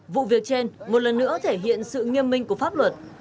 vụ việc trên một lần nữa thể hiện sự nghiêm minh của pháp luật